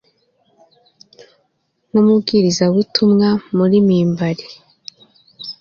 Nkumubwirizabutumwa muri mimbari